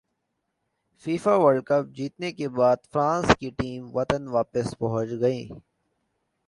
FIFA World Cup جیتنے کے بعد فرانس کی ٹیم وطن واپس پہنچ گئی